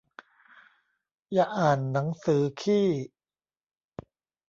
อย่าอ่านหนังสือขี้